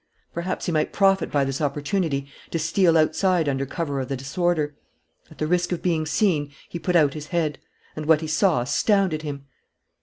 Perhaps he might profit by this opportunity to steal outside under cover of the disorder. At the risk of being seen, he put out his head. And what he saw astounded him.